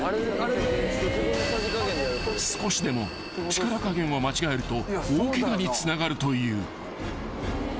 ［少しでも力加減を間違えると大ケガにつながるという］